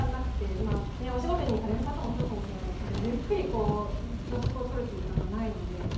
ねっお仕事に行かれる方もそうかもしれないですけどゆっくりこう朝食を取るという時間がないので。だよね。